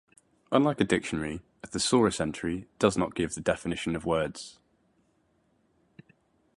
Unlike a dictionary, a thesaurus entry does not give the definition of words.